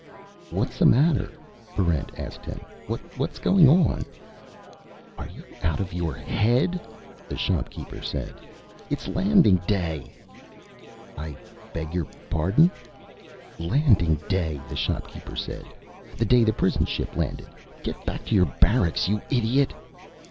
"What's the matter?" Barrent asked him. "What's going on?" "Are you out of your head?" the shopkeeper said. "It's Landing Day!" "I beg your pardon?" "Landing Day!" the shopkeeper said. "The day the prison ship landed. Get back to your barracks, you idiot!"